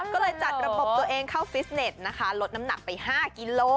ก็เลยจัดระบบตัวเองเข้าฟิสเน็ตนะคะลดน้ำหนักไป๕กิโล